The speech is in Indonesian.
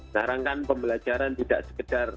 narankan pembelajaran tidak sekedar